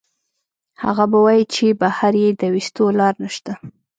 هغه به وائي چې بهر ئې د ويستو لار نشته